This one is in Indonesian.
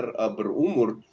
mereka benar benar berumur